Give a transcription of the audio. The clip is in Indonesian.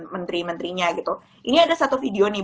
menteri menterinya gitu ini ada satu video nih